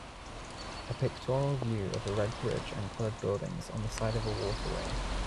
A pictoral view of a red bridge and colored buildings on the side of waterway.